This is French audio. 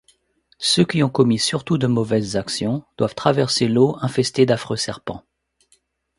Ceux qui ont commis surtout de mauvaises actions doivent traverser l'eau infestée d'affreux serpents.